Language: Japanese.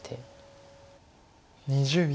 ２０秒。